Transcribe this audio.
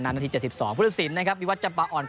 นาที๗๒ผู้สินนะครับวิวัตจับอ่อน